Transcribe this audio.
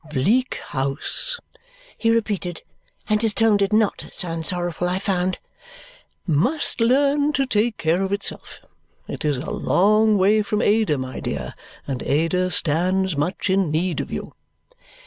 "Bleak House," he repeated and his tone did NOT sound sorrowful, I found "must learn to take care of itself. It is a long way from Ada, my dear, and Ada stands much in need of you."